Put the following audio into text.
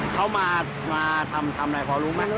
เขามาทำอะไรพอรู้ไหม